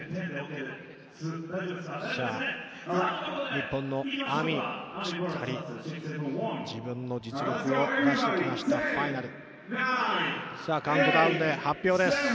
日本のＡＭＩ、しっかり自分の実力を出し切りましたファイナル。